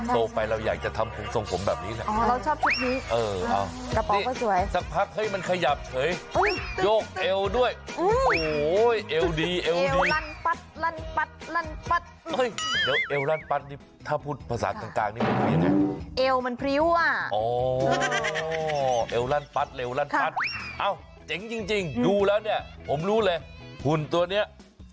โตไปเราอยากจะทำภูมิส่งผมแบบนี้แหละอ๋อเราชอบชุดพลิกกระป๋อก็สวย